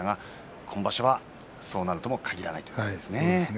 今場所はそうなるともかぎらないということですね。